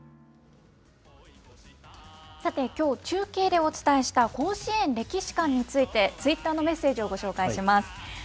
さて、きょう中継でお伝えした甲子園歴史館について、ツイッターのメッセージをご紹介します。